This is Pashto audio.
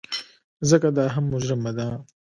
ځکه دا هم مجرمه ده.